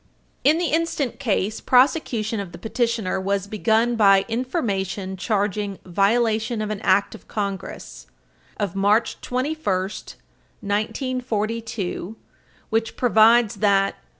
In the instant case, prosecution of the petitioner was begun by information charging violation of an Act of Congress, of March 21, 1942, 56 Stat. 173, which provides that